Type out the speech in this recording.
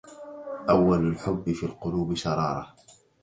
اول الحب في القلوب شراره